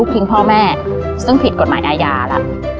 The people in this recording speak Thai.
ตรงนี้สบายใจ